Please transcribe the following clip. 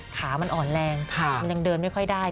ขามันอ่อนแรงมันยังเดินไม่ค่อยได้